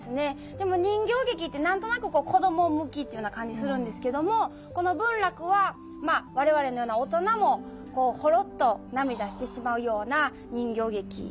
でも人形劇って何となく子ども向きっていうような感じするんですけどもこの文楽は我々のような大人もホロッと涙してしまうような人形劇なんですね。